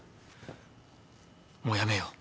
もうやめよう。